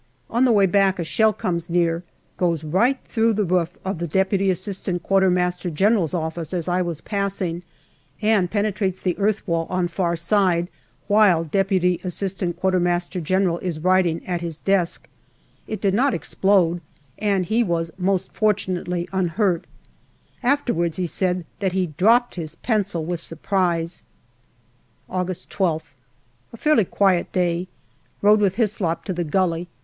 On the way back a shell comes near ; goes right through the roof of D.A.Q.M.G.'s office as I was passing, and pene trates the earth wall on far side while D.A.Q.M.G. is writing at his desk. It did not explode, and he was most fortunately unhurt. Afterwards, he said that he dropped his pencil with surprise. August 12th. A fairly quiet day. Rode with Hyslop to the gully.